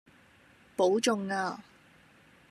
保重呀